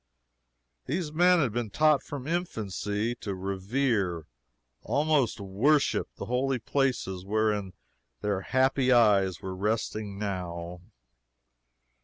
These men had been taught from infancy to revere, almost to worship, the holy places whereon their happy eyes were resting now.